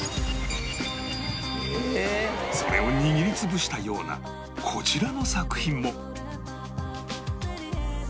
それを握り潰したようなこちらの作品も